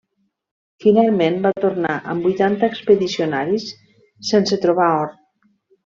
Finalment, va tornar amb vuitanta expedicionaris sense trobar or.